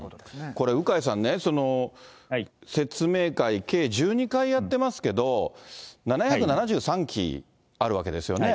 これ、鵜飼さんね、説明会、計１２回やってますけど、７７３基あるわけですよね。